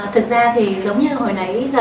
thực ra thì giống như hồi nãy giờ